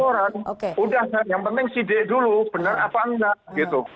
udah yang penting si d dulu benar apa enggak gitu